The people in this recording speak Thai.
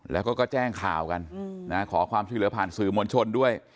แล้วก็แจ้งข่าวกันขอความช่วยเหลือผ่านสื่อมวลชนด้วย